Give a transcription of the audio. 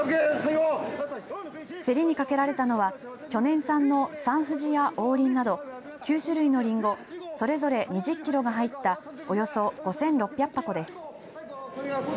競りにかけられたのは去年産の、サンふじや王林など９種類のりんごそれぞれ２０キロが入ったおよそ５６００箱です。